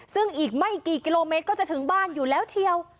ซึ่งอีกไม่กี่กิโลเมตรก็จะถึงบ้านอยู่แล้วเชียว